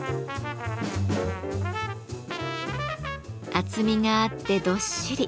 厚みがあってどっしり。